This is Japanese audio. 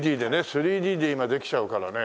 ３Ｄで今できちゃうからね。